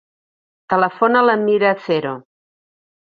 Telefona a la Mira Acero.